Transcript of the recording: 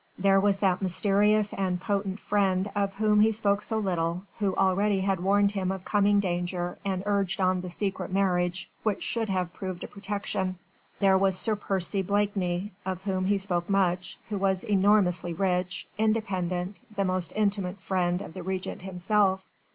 There was that mysterious and potent friend of whom he spoke so little, who already had warned him of coming danger and urged on the secret marriage which should have proved a protection. There was Sir Percy Blakeney, of whom he spoke much, who was enormously rich, independent, the most intimate friend of the Regent himself.